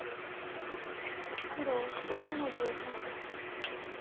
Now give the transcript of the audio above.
黒１５の十三。